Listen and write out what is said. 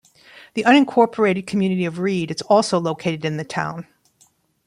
The unincorporated community of Reed is also located in the town.